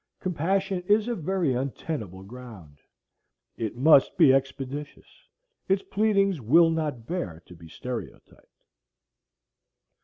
Compassion is a very untenable ground. It must be expeditious. Its pleadings will not bear to be stereotyped.